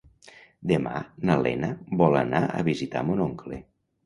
Demà na Lena vol anar a visitar mon oncle.